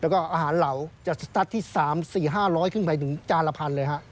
แล้วก็อาหารเหลาจะสตัดที่๓๔๕ร้อยครึ่งไป๑จานละพันเลยครับ